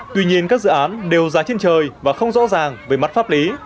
tuy nhiên các dự án đều giá trên trời và không rõ ràng về mặt pháp lý